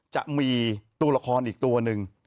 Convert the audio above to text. จะมีตัวละครอีกตัวหนึ่ง